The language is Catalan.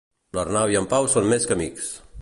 L'Arnau i en Pau són més que amics.